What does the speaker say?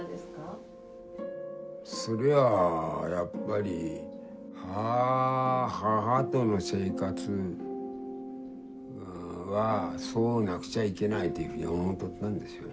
それはやっぱり母との生活はそうなくちゃいけないというふうに思ってたんでしょうね。